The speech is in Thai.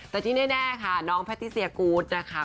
แต่ที่แน่ค่ะน้องแพทติเซียกูธนะคะ